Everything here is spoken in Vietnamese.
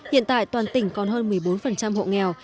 hiện tại toàn tỉnh còn hơn một mươi bốn hộ nghèo